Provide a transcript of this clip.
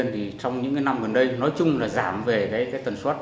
trong những năm gần đây nói chung là giảm về tần suất